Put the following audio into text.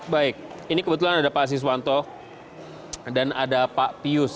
baik ini kebetulan ada pak asiswanto dan ada pak pius